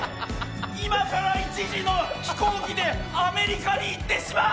今から１時の飛行機でアメリカに行ってしまう！